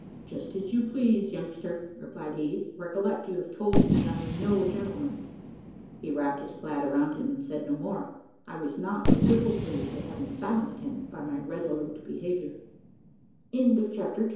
"Just as you please, youngster," replied he. "Recollect, you have told me I am no gentleman." He wrapped his plaid around him, and said no more; and I was not a little pleased at having silenced him by my resolute behaviour. CHAPTER THREE.